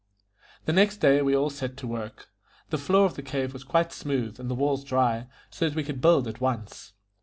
The next day we all set to work; the floor of the cave was quite smooth, and the walls dry, so that we could build at once.